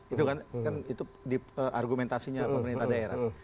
itu kan itu argumentasinya pemerintah daerah